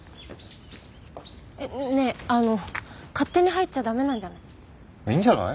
ねえあの勝手に入っちゃダメなんじゃない？いいんじゃない？